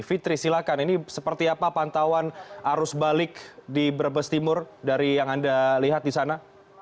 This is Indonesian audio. fitri silakan ini seperti apa pantauan arus balik di brebes timur dari yang anda lihat di sana